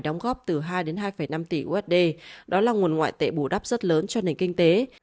đóng góp từ hai hai năm tỷ usd đó là nguồn ngoại tệ bù đắp rất lớn cho nền kinh tế